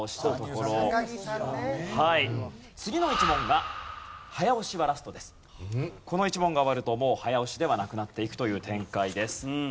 この１問が終わるともう早押しではなくなっていくという展開です。